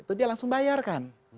itu dia langsung bayarkan